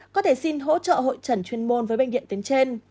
có thể xin hỗ trợ hội trần chuyên môn với bệnh viện tuyến trên